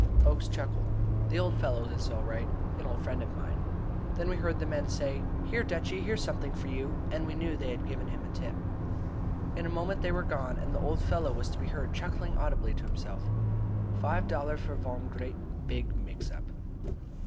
Oakes chuckled. "The old fellow is all right; an old friend of mine." Then we heard the men say: "Here, Dutchy, here's something for you," and we knew they had given him a tip. In a moment they were gone, and the old fellow was to be heard chuckling audibly to himself: "Five dollar for von great big mix up."